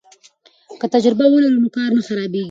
که تجربه ولرو نو کار نه خرابیږي.